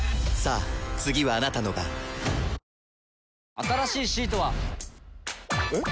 新しいシートは。えっ？